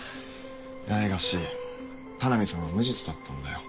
八重樫田波さんは無実だったんだよ。